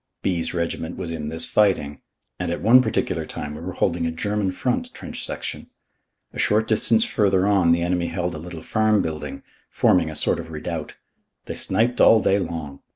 B.'s Regiment was in this fighting, and at one particular time we were holding a German front trench section. A short distance further on the enemy held a little farm building, forming a sort of redoubt. They sniped all day long.